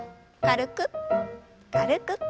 軽く軽く。